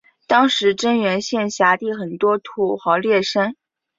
当时真源县辖地很多土豪劣绅。